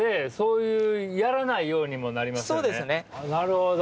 なるほど。